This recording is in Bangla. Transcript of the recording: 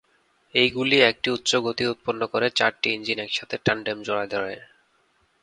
এইগুলি একটি উচ্চ গতি উৎপন্ন করে চারটি ইঞ্জিন একসাথে টান্ডেম জোড়ায় ধরে।